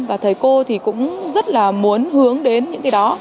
và thầy cô thì cũng rất là muốn hướng đến những cái đó